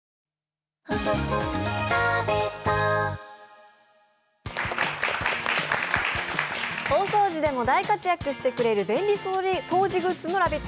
大掃除でも大活躍してくれる便利掃除グッズのラヴィット！